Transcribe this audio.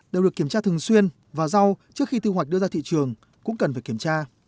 đều được kiểm tra thường xuyên và rau trước khi thu hoạch đưa ra thị trường cũng cần phải kiểm tra